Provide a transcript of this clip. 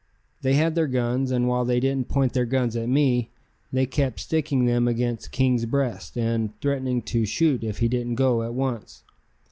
They had their guns, and while they didn't point their guns at me, they kept sticking them against King's breast and threatening to shoot if he didn't go at once.